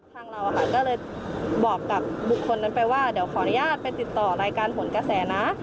เราก็เลยบอกกับบุคคลนั้นไปว่าเดี๋ยวขออนุญาตไปติดต่อรายการผลกระแสนะ